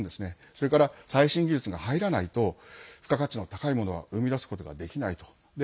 それから最新技術が入らないと付加価値の高いものは生み出すことができないと。